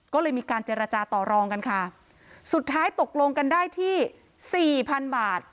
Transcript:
ก็เลยมีการเจรจาต่อรองกันค่ะสุดท้ายตกลงกันได้ที่สี่พันบาท